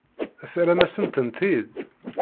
Terram-asent-tent-id?